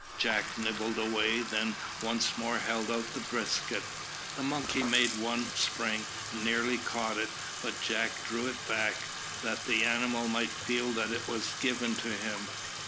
Jack nibbled away, then once more held out the biscuit. The monkey made one spring, and nearly caught it, but Jack drew it back, that the animal might feel that it was given him.